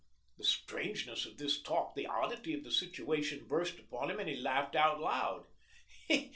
The strangeness of this talk, the oddity of the situation burst upon him and he laughed aloud.